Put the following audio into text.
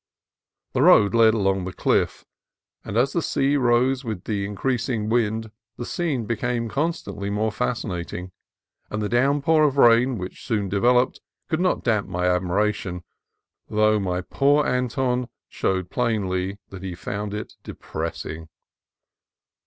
The road led along the cliff, and as the sea rose with the increas ing wind the scene became constantly more fascinat ing, and the downpour of rain which soon devel oped could not damp my admiration, though my poor Anton showed plainly that he found it depress ing.